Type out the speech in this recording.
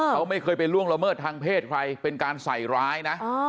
เขาไม่เคยไปล่วงละเมิดทางเพศใครเป็นการใส่ร้ายนะ